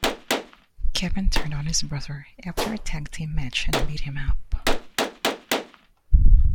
Kevin turned on his brother after a tag-team match and beat him up.